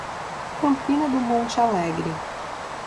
Campina do Monte Alegre